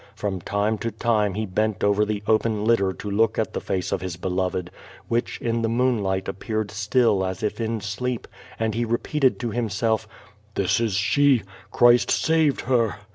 From time to time he bent over the open litter to look at the face of his beloved, which in the moonlight appeared still as if in sleep, and he repeated to himself: This is she! Christ saved her!"